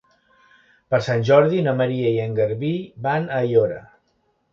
Per Sant Jordi na Maria i en Garbí van a Aiora.